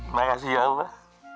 makasih ya allah